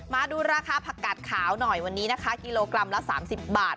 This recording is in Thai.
มาดูราคาผักกาดขาวหน่อยวันนี้นะคะกิโลกรัมละ๓๐บาท